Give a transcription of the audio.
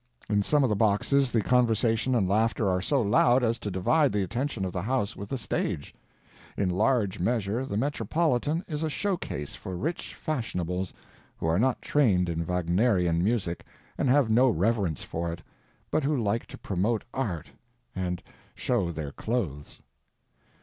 In some of the boxes the conversation and laughter are so loud as to divide the attention of the house with the stage. In large measure the Metropolitan is a show case for rich fashionables who are not trained in Wagnerian music and have no reverence for it, but who like to promote art and show their clothes.